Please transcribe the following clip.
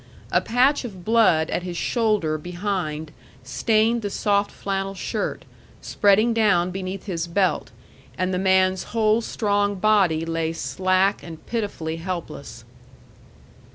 A patch of blood at his shoulder behind stained the soft flannel shirt, spreading down beneath his belt, and the man's whole strong body lay slack and pitifully helpless.